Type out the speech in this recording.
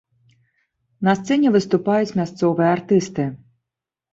На сцэне выступаюць мясцовыя артысты.